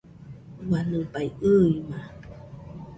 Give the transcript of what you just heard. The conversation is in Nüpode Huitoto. ua nɨbai ɨima!